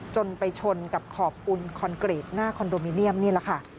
จนไปชนกับขอบอุ่นคอนกรีตหน้าคอนโดมิเนียมนี่แหละค่ะ